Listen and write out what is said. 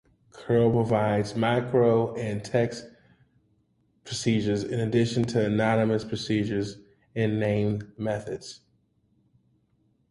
Curl provides both macros and text-procedures in addition to anonymous procedures and named methods.